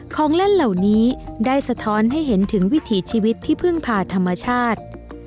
ของเล่นเหล่านี้ได้สะท้อนให้เห็นถึงวิถีชีวิตที่พึ่งพาธรรมชาติ